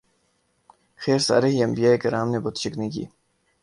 خیر سارے ہی انبیاء کرام نے بت شکنی کی ۔